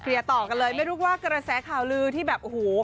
ต่อกันเลยไม่รู้ว่ากระแสข่าวลือที่แบบโอ้โห